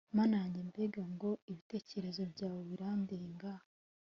mana yanjye, mbega ngo ibitekerezo byawe birandenga